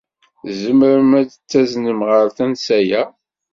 Tzemrem ad t-taznem ɣer tansa-a?